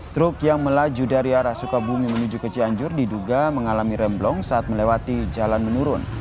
truk yang melaju dari arah sukabumi menuju ke cianjur diduga mengalami remblong saat melewati jalan menurun